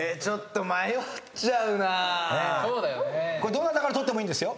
どなたから取ってもいいんです。